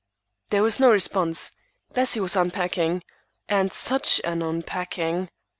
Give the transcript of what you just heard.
There was no response. Bessie was unpacking,—and such an unpacking!